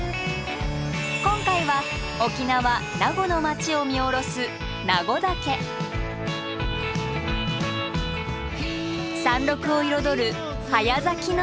今回は沖縄・名護の町を見下ろす山麓を彩る早咲きの桜。